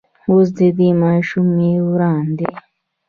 اوس د دې ماشومې وار دی.